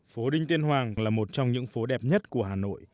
phố đinh tiên hoàng là một trong những phố đẹp nhất của hà nội